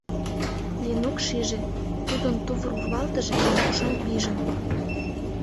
Ленук шиже: тудын тувыр урвалтыже ала-кушан пижын.